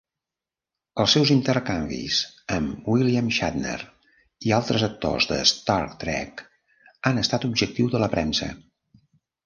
Els seus intercanvis amb William Shatner i altres actors de "Star Trek" han estat objectiu de la premsa.